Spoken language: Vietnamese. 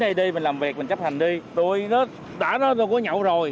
khi bị yêu cầu kiểm tra nồng độ cồn